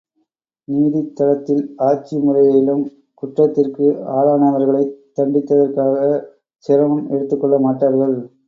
நீதித் தலத்தில் ஆட்சி முறையிலும், குற்றத்திற்கு ஆளானவர்களைத் தண்டித்தற்காகச் சிரமம் எடுத்துக்கொள்ள மாட்டார்கள்.